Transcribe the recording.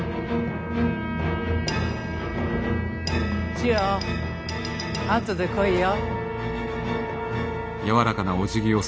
千代後で来いよ。